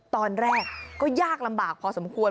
ตอนแรกก็ยากลำบากพอสมควร